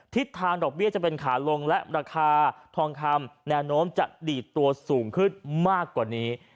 ทิศทางดอกเบี้ยจะเป็นขาลงและราคาทองคำแนวโน้มจะดีดตัวสูงขึ้นมากกว่านี้